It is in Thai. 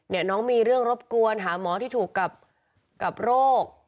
น้องมีเรื่องรบกวนหาหมอที่ถูกกับโรค